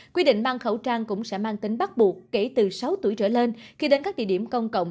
quy định mang khẩu trang cũng sẽ mang tính bắt buộc kể từ sáu tuổi trở lên khi đến các địa điểm công cộng